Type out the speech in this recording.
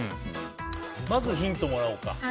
まずヒントもらおうか。